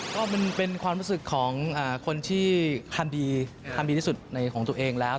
ก็มันเป็นความรู้สึกของคนที่คันดีทำดีที่สุดในของตัวเองแล้ว